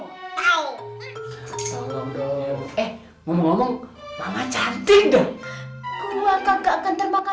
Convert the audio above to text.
hai kau tolong eh ngomong ngomong mama cantik dong gua kagak akan terbakan